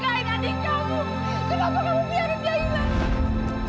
kenapa kamu biarkan dia hilang